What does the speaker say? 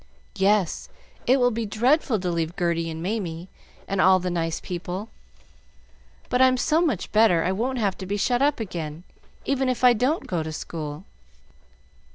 "Yes, it will be dreadful to leave Gerty and Mamie and all the nice people. But I'm so much better I won't have to be shut up again, even if I don't go to school.